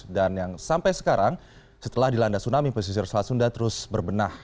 dan yang sampai sekarang setelah dilanda tsunami pesisir selat sunda terus berbenah